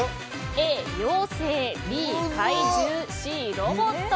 Ａ、妖精Ｂ、怪獣Ｃ、ロボット。